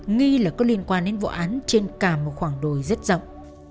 nghi là có liên quan đến vụ án trên cả một khoảng đồi rất rộng